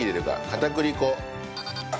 片栗粉。